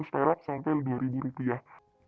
lima ratus perak sampai dua ribu rupiah